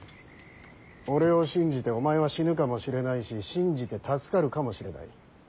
俺を信じてお前は死ぬかもしれないし信じて助かるかもしれない。